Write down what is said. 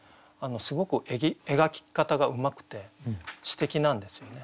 すごく描き方がうまくて詩的なんですよね。